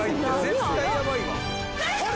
絶対ヤバいわ。